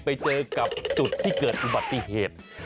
ไปเจอกับจุดที่เกิดอุบัติเหตุ